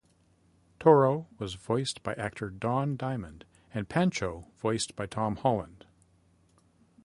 Toro was voiced by actor Don Diamond and Pancho voiced by Tom Holland.